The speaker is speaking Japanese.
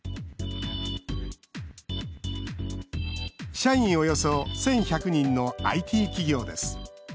社員およそ１１００人のＩＴ企業です。